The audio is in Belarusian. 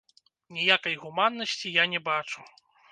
Ніякай гуманнасці я не бачу.